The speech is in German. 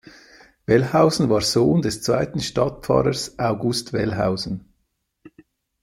Wellhausen war Sohn des Zweiten Stadtpfarrers August Wellhausen.